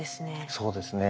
そうですね。